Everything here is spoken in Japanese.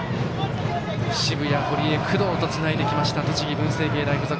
澁谷、堀江、工藤とつないできました栃木、文星芸大付属。